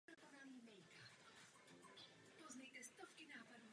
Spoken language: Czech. Prvních dvou grandslamů Australian Open a French Open se nezúčastnila.